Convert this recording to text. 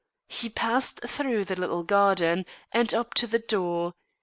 He passed through the little garden and up to the door.